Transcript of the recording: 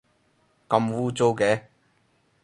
咁污糟嘅